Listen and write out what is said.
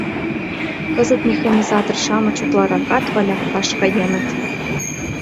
— Кызыт механизатор-шамыч утларакат валяпкаш каеныт.